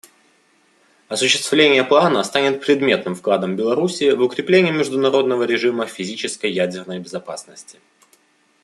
Осуществление плана станет предметным вкладом Беларуси в укрепление международного режима физической ядерной безопасности.